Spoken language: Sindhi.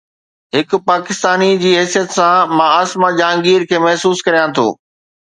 هڪ پاڪستاني جي حيثيت سان مان عاصمه جهانگير کي محسوس ڪريان ٿو.